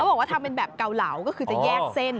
บอกว่าทำเป็นแบบเกาเหลาก็คือจะแยกเส้น